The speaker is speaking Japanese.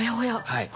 はい。